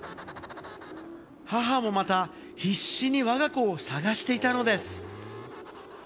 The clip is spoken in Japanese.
母もまた、必死にわが子を捜していたのです。